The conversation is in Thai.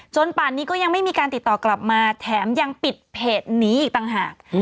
ป่านนี้ก็ยังไม่มีการติดต่อกลับมาแถมยังปิดเพจนี้อีกต่างหาก